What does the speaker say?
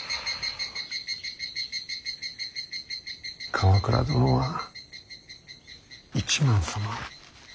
鎌倉殿は一幡様